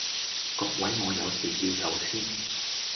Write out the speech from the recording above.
各位我有事要走先